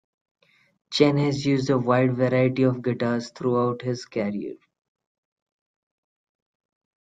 Chan has used a wide variety of guitars throughout his career.